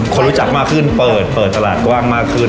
คนรู้จักมากขึ้นเปิดตลาดกว้างมากขึ้น